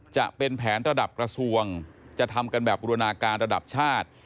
จะเป็นแผนระดับกระทรวงจะทำกันแบบบูรณาการระดับชาติ